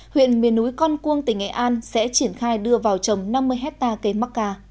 huyện miền núi con cuông tỉnh nghệ an sẽ triển khai đưa vào trồng năm mươi hectare cây mắc ca